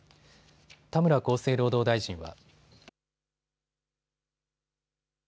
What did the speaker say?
田村厚生労働大臣は。